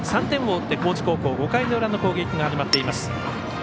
３点を追って、高知高校５回の裏の攻撃が始まっています。